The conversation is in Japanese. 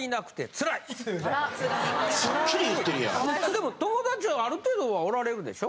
でも友達はある程度はおられるでしょ？